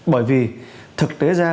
bởi vì thực tế ra